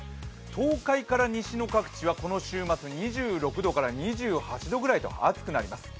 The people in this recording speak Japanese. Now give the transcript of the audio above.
東海から西の各地はこの週末２６度から２８度ぐらいと暑くなります。